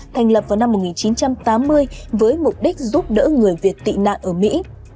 thành lập vào năm một nghìn chín trăm tám mươi với mục đích giúp đỡ người việt tị nạn ở mỹ